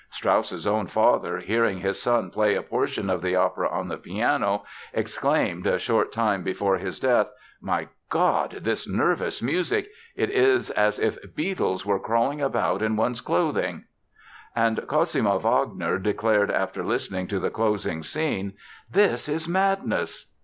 Strauss's own father, hearing his son play a portion of the opera on the piano, exclaimed a short time before his death: "My God, this nervous music! It is as if beetles were crawling about in one's clothing!" And Cosima Wagner declared after listening to the closing scene: "This is madness!"